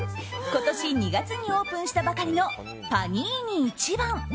今年２月にオープンしたばかりのパニーニ一番。